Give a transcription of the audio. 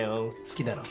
好きだろ。